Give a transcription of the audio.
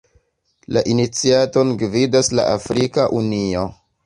La iniciaton gvidas la Afrika Unio.